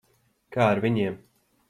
Kā ar viņiem?